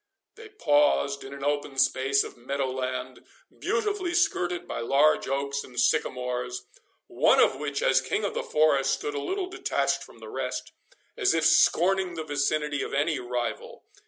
They paused in an open space of meadow land, beautifully skirted by large oaks and sycamores, one of which, as king of the forest, stood a little detached from the rest, as if scorning the vicinity of any rival.